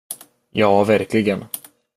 Ja, verkligen.